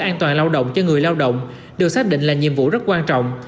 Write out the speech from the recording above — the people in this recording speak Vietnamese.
an toàn lao động cho người lao động được xác định là nhiệm vụ rất quan trọng